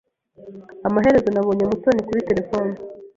Amaherezo nabonye Mutoni kuri terefone.